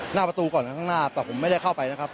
หน้าประตูก่อนข้างหน้าแต่ผมไม่ได้เข้าไปนะครับ